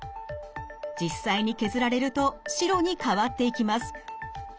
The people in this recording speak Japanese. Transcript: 実際に削られると白に変わっていきます。